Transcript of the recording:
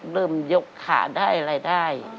เริ่มยกขาได้อะไรได้